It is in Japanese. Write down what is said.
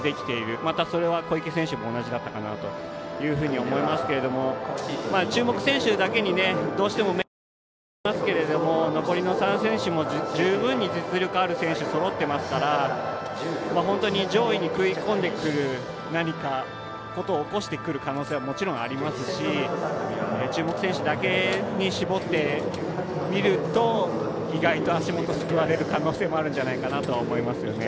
またそれは小池選手も同じかなと思いますが注目選手だけにどうしても目がいってしまいますけど残りの３選手も十分に実力ある選手がそろっているので本当に上位に食い込んむことを起こしてくる可能性はもちろんありますし注目選手だけに絞って見ると意外と足元すくわれる可能性があるんじゃないかなとも思います。